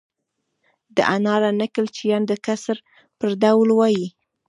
دا ناره نکل چیان د کسر پر ډول وایي.